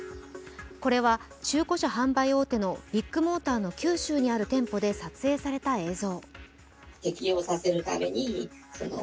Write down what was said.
これは中古車販売大手のビッグモーターの九州にある店舗で撮影された映像。